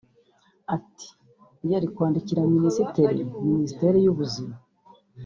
Ati "Yari kwandikira Minisitiri Minisiteri y’ubuzima